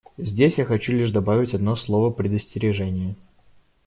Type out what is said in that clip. Здесь я хочу лишь добавить одно слово предостережения.